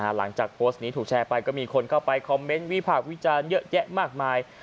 หลังจากโพสต์นี้ถูกแชร์ไปก็มีคนเข้าไปคอมเมนต์วิพากษ์วิจารณ์เยอะแยะมากมาย